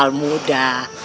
itu soal muda